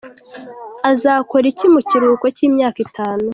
Azakora iki mu kuruhuko cy’imyaka itanu?.